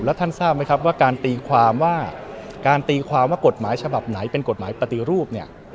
แล้วท่านทราบไหมครับการตีความว่ากฎหมายฉบับไหนเป็นกฎหมายปฏีรูป